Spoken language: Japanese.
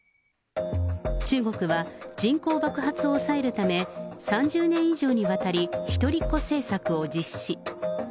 中国は人口爆発を抑えるため、３０年以上にわたり一人っ子政策を実施。